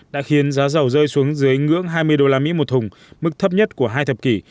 đã khiến giá dầu rơi xuống dưới ngưỡng hai mươi usd một thùng mức thấp nhất của hai thập kỷ